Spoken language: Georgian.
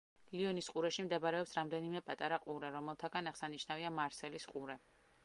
ლიონის ყურეში მდებარეობს რამდენიმე პატარა ყურე, რომელთაგან აღსანიშნავია მარსელის ყურე.